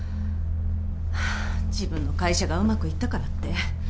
自分の会社がうまくいったからって。